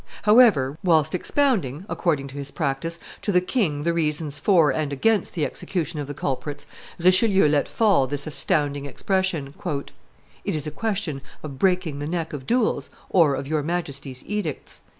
However, whilst expounding, according to his practice, to the king the reasons for and against the execution of the culprits, Richelieu let fall this astounding expression: "It is a question of breaking the neck of duels or of your Majesty's edicts."